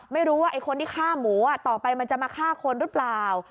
ไม่รู้ว่าไอ้คนที่ฆ่าหมูต่อไปมันจะมาฆ่าคนหรือเปล่า